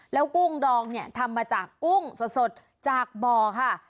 แล้วกุ้งดองเนี่ยทำมาจากกุ้งสดจากบ่อค่ะ